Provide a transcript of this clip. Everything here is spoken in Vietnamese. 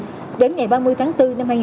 từ đó bất cập tiền ngập ống ôm tắt tồn tại